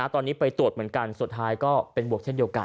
ตอนนี้ไปตรวจเหมือนกันสุดท้ายก็เป็นบวกเช่นเดียวกัน